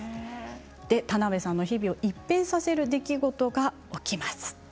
田辺さんの日々を一変させる出来事が起きます。